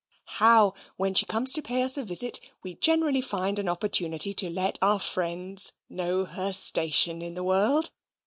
How, when she comes to pay us a visit, we generally find an opportunity to let our friends know her station in the world!